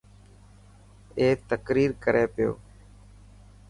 اي تقرير ڪري پيو.